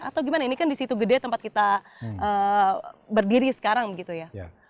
atau gimana ini kan di situ gede tempat kita berdiri sekarang begitu ya